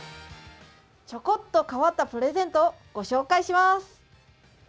チョコっと変わったプレゼントをご紹介します。